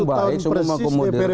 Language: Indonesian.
baik semua komodir